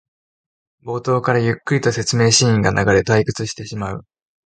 冒頭からゆっくりと説明シーンが流れ退屈してしまう